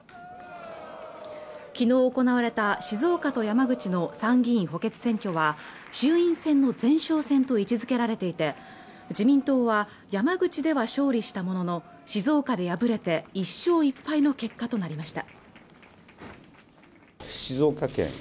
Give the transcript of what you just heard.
昨日行われた静岡と山口の参議院補欠選挙は衆院選の前哨戦と位置づけられていて自民党は山口では勝利したものの静岡で敗れて１勝１敗の結果となりました